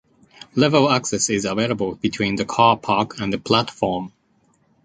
Level access is available between the car park and platform.